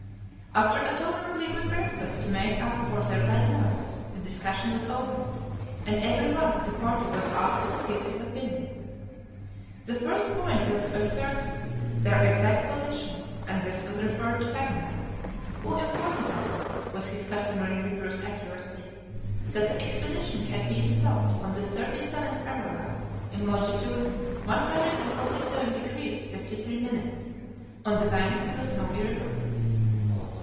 After a tolerably good breakfast to make up for their bad night, the discussion was opened, and every one of the party was asked to give his opinion. The first point was to ascertain their exact position, and this was referred to Paganel, who informed them, with his customary rigorous accuracy, that the expedition had been stopped on the 37th parallel, in longitude 147 degrees 53 minutes, on the banks of the Snowy River.